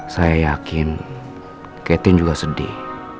saya yakin ketin juga sedih